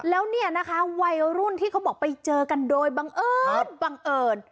แล้วเนี่ยนะคะวัยรุ่นที่เขาบอกไปเจอกันโดยบังเอิญบังเอิญ